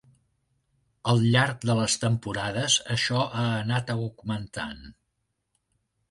Al llarg de les temporades això ha anat augmentant.